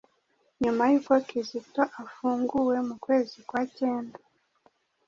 nyuma yuko Kizito afunguwe mu kwezi kwa cyenda